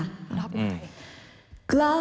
รอบลาย